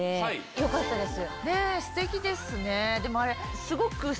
よかったです。